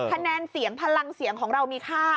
คะแนนเสียงพลังเสียงของเรามีค่า